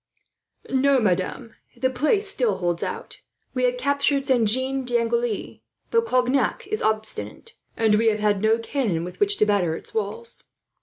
"No, madame; the place still holds out. We have captured Saint Jean d'Angely, but Cognac is obstinate, and we have no cannon with which to batter its walls."